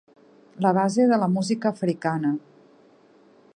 La base de la música africana.